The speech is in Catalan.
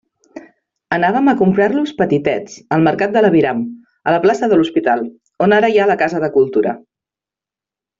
Anàvem a comprar-los petitets, al mercat de l'aviram, a la plaça de l'Hospital, on ara hi ha la Casa de Cultura.